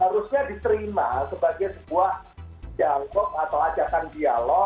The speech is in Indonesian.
harusnya diserima sebagai sebuah jawab atau ajakan dialog